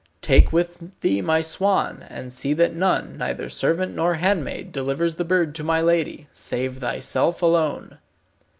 Take with thee my swan, and see that none, neither servant nor handmaid, delivers the bird to my lady, save thyself alone."